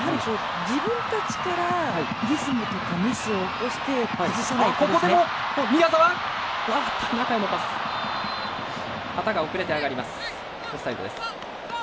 自分たちからリズムとかミスを起こして崩さないということですね。